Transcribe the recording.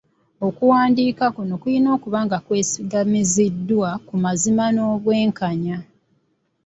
Okuwandiika kuno kulina okuba nga kwesigamiziddwa ku mazima n’obwenkanya.